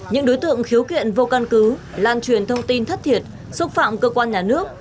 những đối tượng khiếu kiện vô căn cứ lan truyền thông tin thất thiệt xúc phạm cơ quan nhà nước